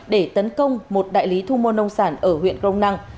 để tấn công một đại lý thu mua nông sản ở huyện crong năng